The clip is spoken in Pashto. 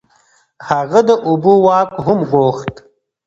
هغه د اوبو واک هم غوښت.